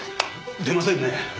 出ませんね。